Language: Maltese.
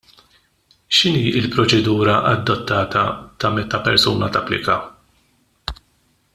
X'inhi l-proċedura adottata ta' meta persuna tapplika?